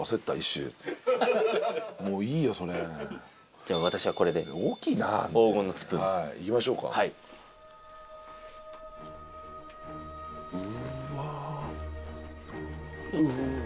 じゃ私はこれで黄金のスプーン大きいないきましょうかはいうまうわ